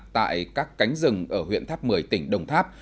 tại các cánh rừng ở huyện tháp mười tỉnh đồng tháp